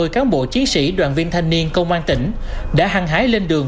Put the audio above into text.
một mươi cán bộ chiến sĩ đoàn viên thanh niên công an tỉnh đã hăng hái lên đường